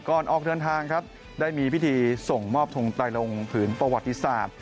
ออกเดินทางครับได้มีพิธีส่งมอบทงไตลงผืนประวัติศาสตร์